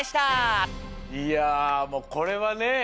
いやもうこれはね